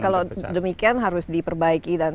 kalau demikian harus diperbaiki